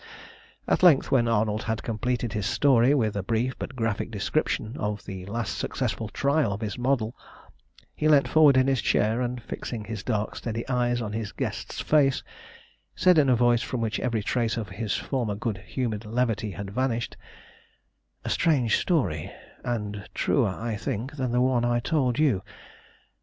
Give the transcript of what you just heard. At length, when Arnold had completed his story with a brief but graphic description of the last successful trial of his model, he leant forward in his chair, and, fixing his dark, steady eyes on his guest's face, said in a voice from which every trace of his former good humoured levity had vanished "A strange story, and truer, I think, than the one I told you.